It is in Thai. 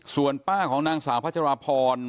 ส่วนป้าของนางสาวพัชราพร